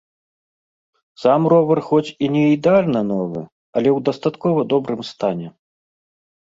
Сам ровар хоць і не ідэальна новы, але ў дастаткова добрым стане.